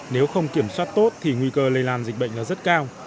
nếu không kiểm soát tốt thì nguy cơ lây lan dịch bệnh là rất cao